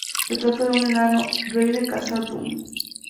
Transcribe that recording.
Se trata de un enano, rey de Khazad-dûm.